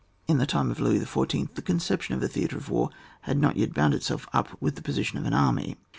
In the time of Louis the Four teenth the conception of a theatre of war had not yet bound itself up with the posi tion of an army.